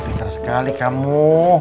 pinter sekali kamu